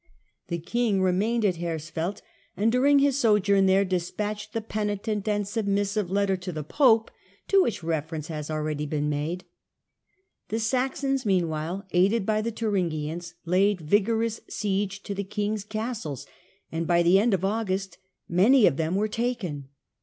The king remained at Hersfeld, and, during his sojourn there, despatched the penitent and submissive letter to the Pope to which reference has been already made.' The Saxons meanwhile, aided by the Thuringians, laid vigorous siege to the king's castles, and by the end of August many of them were taken.